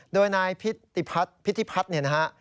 โดยนายพิธีพัฒน์เนี่ยนะฮะ